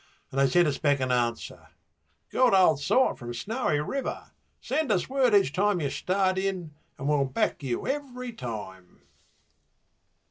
And they sent us back an answer, 'Good old sort from Snowy River: Send us word each race you start in and we'll back you every time.'